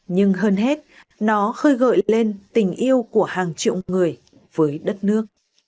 nhưng hơn hết nó khơi gợi lên tình yêu của hàng triệu người với đất nước